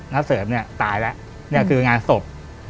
เสริมเนี่ยตายแล้วเนี่ยคืองานศพ